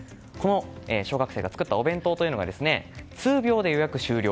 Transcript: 小学生が作ったお弁当というのが数秒で予約終了。